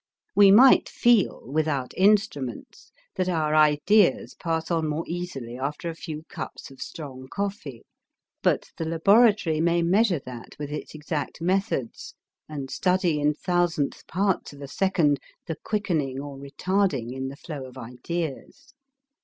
We might feel, without instruments, that our ideas pass on more easily after a few cups of strong coffee, but the laboratory may measure that with its exact methods and study in thousandth parts of a second, the quickening or retarding in the flow of ideas.